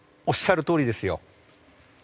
おっしゃるとおりですよ。